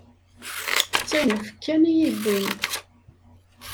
D tewnef kan i yi-yewwin.